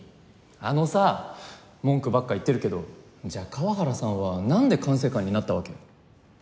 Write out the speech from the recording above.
あのさ文句ばっか言ってるけどじゃあ河原さんはなんで管制官になったわけ？